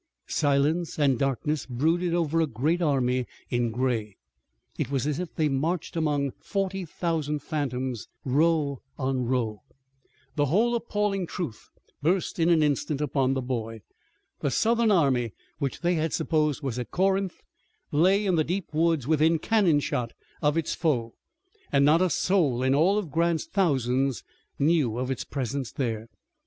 Silence and darkness brooded over a great army in gray. It was as if they marched among forty thousand phantoms, row on row. The whole appalling truth burst in an instant upon the boy. The Southern army, which they had supposed was at Corinth, lay in the deep woods within cannon shot of its foe, and not a soul in all Grant's thousands knew of its presence there!